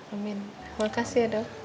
amin makasih ya dok